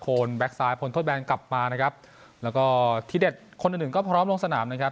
แบ็คซ้ายพ้นโทษแบนกลับมานะครับแล้วก็ทีเด็ดคนอื่นหนึ่งก็พร้อมลงสนามนะครับ